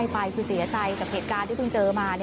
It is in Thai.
ไปคือเสียใจกับเหตุการณ์ที่เพิ่งเจอมา